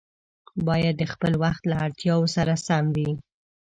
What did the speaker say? باید د خپل وخت له اړتیاوو سره سم وي.